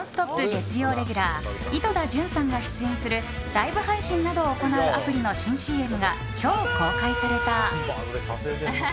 月曜レギュラー井戸田潤さんが出演するライブ配信などを行うアプリの新ＣＭが今日、公開された。